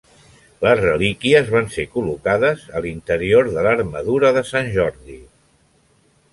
Les relíquies van ser col·locades a l'interior de l'armadura de Sant Jordi.